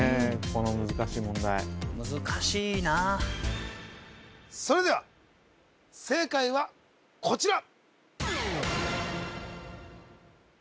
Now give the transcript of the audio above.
この難しい問題難しいなあそれでは正解はこちら